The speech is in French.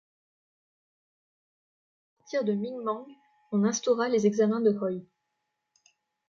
À partir de Minh Mang, on instaura les examens de Hoi.